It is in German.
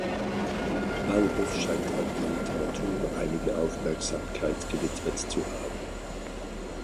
Balbus scheint auch der Literatur einige Aufmerksamkeit gewidmet zu haben.